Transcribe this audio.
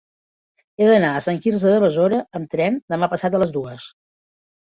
He d'anar a Sant Quirze de Besora amb tren demà passat a les dues.